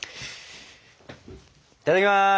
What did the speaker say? いただきます！